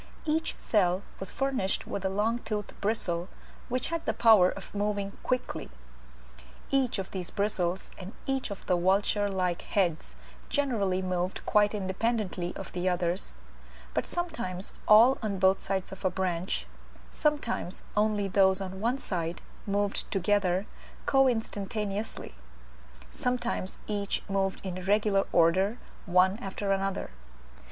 each cell was furnished with a long toothed bristle, which had the power of moving quickly. Each of these bristles and each of the vulture like heads generally moved quite independently of the others, but sometimes all on both sides of a branch, sometimes only those on one side, moved together coinstantaneously, sometimes each moved in regular order one after another.